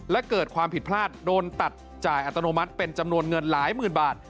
และเกิดความผิดพลาดโดนตัดจ่ายอัตโนมัติเป็นจำนวนเงินหลายหมื่นบาท